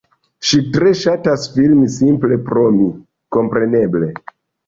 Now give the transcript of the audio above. Ŝi tre ŝatas filmi simple pro mi, kompreneble